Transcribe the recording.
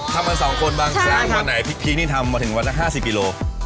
ทำมาสองคนบางครั้งใช่ครับวันไหนพริกพริกนี่ทำมาถึงวันทั้งห้าสิบโล